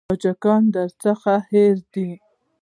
تاجکان درڅخه هېر دي.